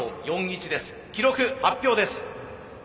記録発表です。